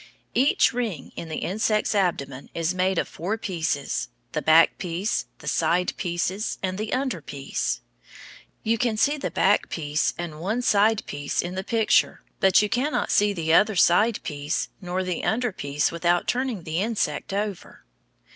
Each ring in the insect's abdomen is made of four pieces, the back piece, the side pieces, and the under piece. You can see the back piece and one side piece in the picture, but you cannot see the other side piece nor the under piece without turning the insect over.